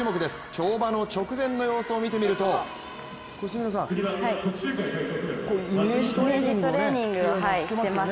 跳馬の直前の様子を見てみるとイメージトレーニングをしていますよね。